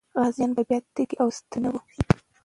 غازيان به بیا تږي او ستړي نه وي سوي.